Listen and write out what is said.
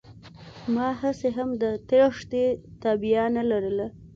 ما هسې هم د تېښتې تابيا نه لرله.